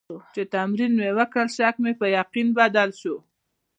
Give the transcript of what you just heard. چې تمرین مې وکړ، شک مې په یقین بدل شو.